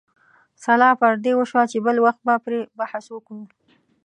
سلا پر دې وشوه چې بل وخت به پرې بحث وکړو.